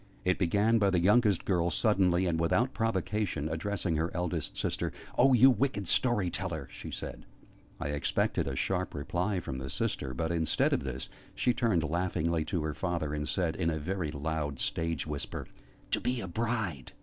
It began by the youngest girl suddenly, and without provocation, addressing her eldest sister. "Oh, you wicked story teller!" she said. I expected a sharp reply from the sister; but, instead of this, she turned laughingly to her father, and said, in a very loud stage whisper, "To be a bride!"